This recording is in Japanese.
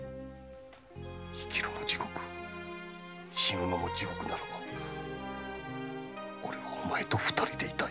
生きるも地獄死ぬのも地獄ならばおれはお前と二人でいたい。